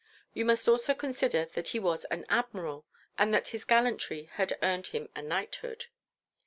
You must also consider that he was an Admiral and that his gallantry had earned him a knighthood.